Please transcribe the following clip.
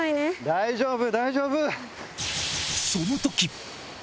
大丈夫大丈夫！